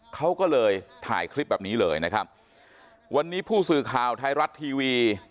เขาก็เลยถ่ายคลิปแบบนี้เลยนะครับวันนี้ผู้สื่อข่าวไทยรัฐทีวี